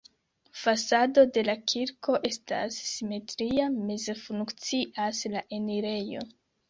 Fasado de la kirko estas simetria, meze funkcias la enirejo.